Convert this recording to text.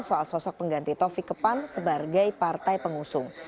soal sosok pengganti tovi ke pan sebagai partai pengusung